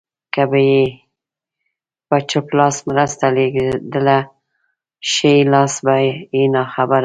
که به يې په چپ لاس مرسته لېږله ښی لاس به يې ناخبره و.